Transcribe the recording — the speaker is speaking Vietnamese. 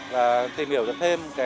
và tìm hiểu thêm